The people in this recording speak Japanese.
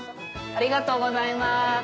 ありがとうございます